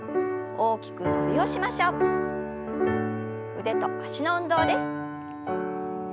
腕と脚の運動です。